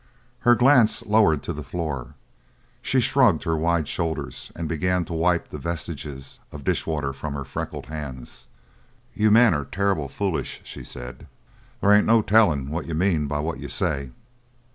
Her glance lowered to the floor; she shrugged her wide shoulders and began to wipe the vestiges of dishwater from her freckled hands. "You men are terrible foolish," she said. "There ain't no tellin' what you mean by what you say."